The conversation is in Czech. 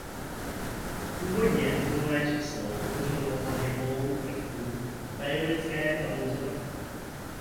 Původně atomové číslo označovalo hlavně polohu prvku v periodické tabulce prvků.